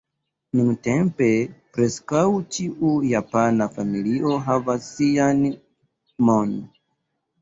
Nuntempe preskaŭ ĉiu japana familio havas sian "mon".